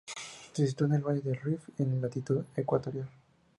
Se sitúa en el valle del Rift, en latitud ecuatorial.